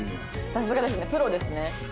さすがですねプロですね。